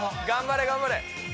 頑張れ頑張れ。